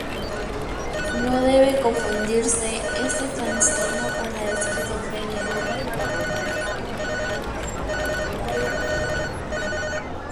No debe confundirse este trastorno con la esquizofrenia.